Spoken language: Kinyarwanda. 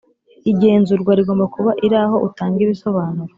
Igenzurwa rigomba kuba iri aho utanga ibisobanuro